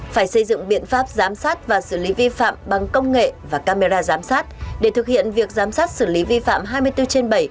phải xây dựng biện pháp giám sát và xử lý vi phạm bằng công nghệ và camera giám sát để thực hiện việc giám sát xử lý vi phạm hai mươi bốn trên bảy